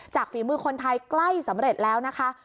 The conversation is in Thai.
ฝีมือคนไทยใกล้สำเร็จแล้วนะคะ